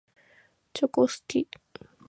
チョコ好き。